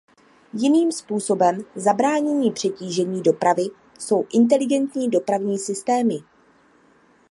Jiným způsobem zabránění přetížení dopravy jsou inteligentní dopravní systémy.